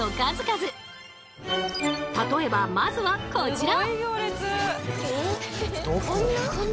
例えばまずはこちら！